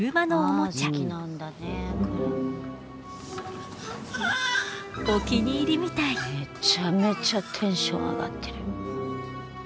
めちゃめちゃテンション上がってる。